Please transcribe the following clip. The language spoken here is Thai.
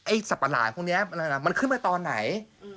ไอ้สัตว์หลายพวกนี้มันขึ้นไปตอนไหน